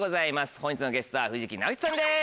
本日のゲストは藤木直人さんです。